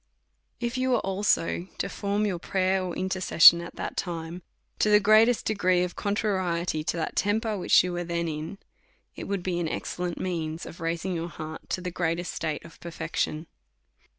If you was also to form your prayer or in tercession at that time, to the greatest degree of con trariety to that temper which you was then in, it would be an excellent means of raising your heart to the greatest state of perfection.